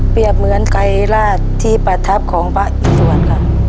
เปรียบเหมือนใกล้ราชที่ประทับของพระอิตุวรค่ะ